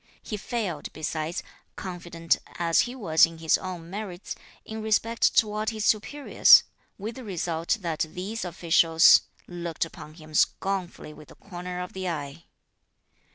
He failed besides, confident as he was in his own merits, in respect toward his superiors, with the result that these officials looked upon him scornfully with the corner of the eye.